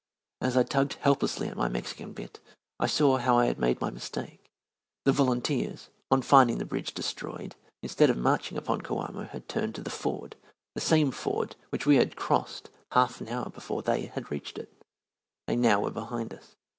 As I tugged helplessly at my Mexican bit, I saw how I had made my mistake. The volunteers, on finding the bridge destroyed, instead of marching upon Coamo had turned to the ford, the same ford which we had crossed half an hour before they reached it. They now were behind us.